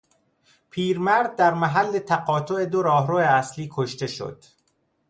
پیرمرد در محل تقاطع دو راه اصلی کشته شد.